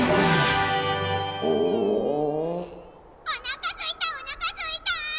おなかすいたおなかすいた！